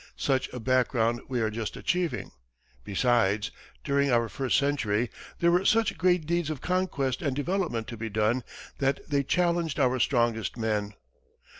Such a background we are just achieving. Besides, during our first century, there were such great deeds of conquest and development to be done that they challenged our strongest men.